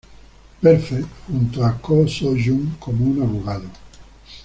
Perfect junto a Ko So-young, como un abogado.